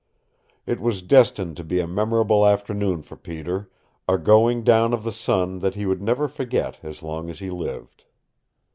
It was destined to be a memorable afternoon for Peter, a going down of the sun that he would never forget as long as he lived.